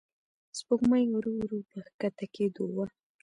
سپوږمۍ ورو ورو په کښته کېدو وه.